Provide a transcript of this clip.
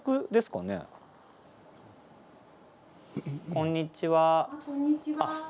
こんにちは。